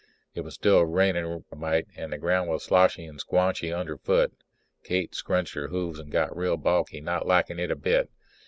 It was still raining a mite and the ground was sloshy and squanchy under foot. Kate scrunched her hooves and got real balky, not likin' it a bit.